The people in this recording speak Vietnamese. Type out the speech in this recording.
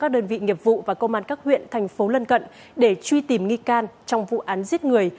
bị nghiệp vụ và công an các huyện thành phố lân cận để truy tìm nghi can trong vụ án giết người